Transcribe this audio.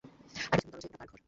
আর পিছনের দরজায়, ওটা কার ঘর?